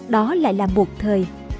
đó lại là một thời